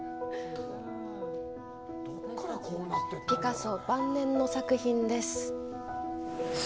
ピカソ晩年の作品です。